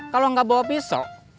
kalau nggak bau pisau